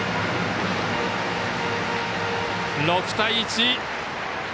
６対１。